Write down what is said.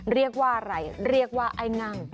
เรียกว่าอะไรเรียกว่าไอ้งั่ง